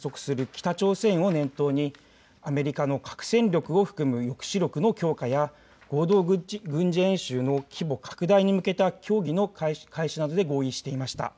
北朝鮮を念頭にアメリカの核戦力を含む抑止力の強化や合同軍事演習の規模拡大に向けた協議の開始などで合意していました。